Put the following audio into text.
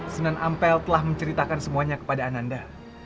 sunan ampel telah menceritakan semuanya kepada ananda